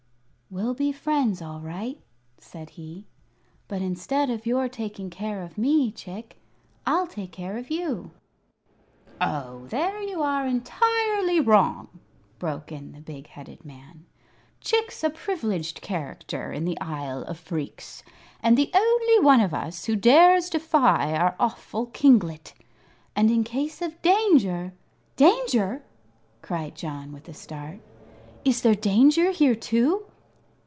"We'll be friends, all right," said he; "but instead of your taking care of me, Chick, I'll take care of you." "Oh, there you are entirely wrong," broke in the big headed man. "Chick's a privileged character in the Isle of Phreex, and the only one of us who dares defy our awful kinglet. And in case of danger " "Danger!" cried John, with a start. "Is there danger here, too?"